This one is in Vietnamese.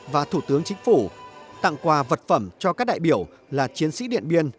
và thủ tướng chính phủ tặng quà vật phẩm cho các đại biểu là chiến sĩ điện biên